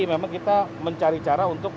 memang kita mencari cara untuk